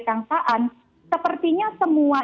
kang kaan sepertinya semua